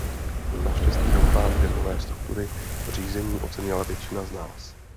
Naštěstí doufám, že nové struktury řízení ocenila většina z nás.